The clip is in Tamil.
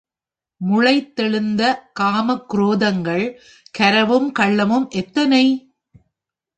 முளைத்தெழுந்த காமக்குரோதங்கள், கரவும் கள்ளமும் எத்தனை?